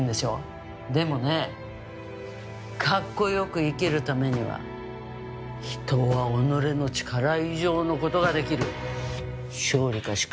でもねかっこよく生きるためには人は己の力以上の事ができる。「勝利か死か！」